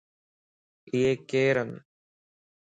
ايي ڪيران؟